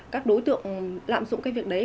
các đối tượng lạm dụng cái việc đấy